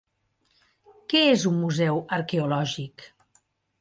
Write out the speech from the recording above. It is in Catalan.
Què és un museu arqueològic?